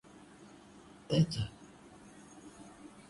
At design time, it is replaced by the so-called magic pink.